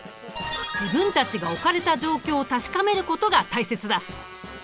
自分たちが置かれた状況を確かめることが大切だ。